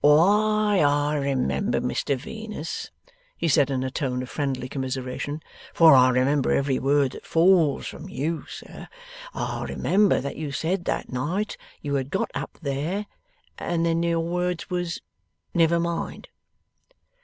'Why I remember, Mr Venus,' he said in a tone of friendly commiseration '(for I remember every word that falls from you, sir), I remember that you said that night, you had got up there and then your words was, "Never mind."